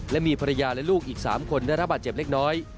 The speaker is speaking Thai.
และมีภรรยาและลูกอีก๓คนได้รับบาดเจ็บเล็กน้อย